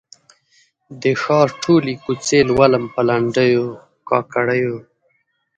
د ښار ټولي کوڅې لولم په لنډېو، کاکړیو